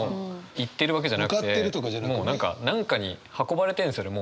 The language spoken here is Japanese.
行ってるわけじゃなくてもう何か何かに運ばれてるんですよね